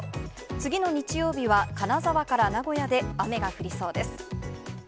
次の日曜日は、金沢から名古屋で雨が降りそうです。